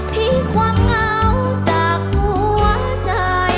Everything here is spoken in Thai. ทิ้งความเหงาจากหัวใจ